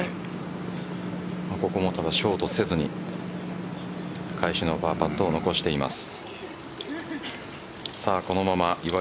ここもただ、ショートせずに返しのパーパットを残しています。